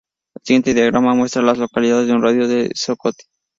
El siguiente diagrama muestra a las localidades en un radio de de Scotia.